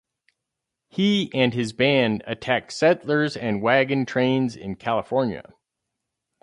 He and his band attacked settlers and wagon trains in California.